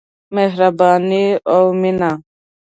مهرباني او مينه.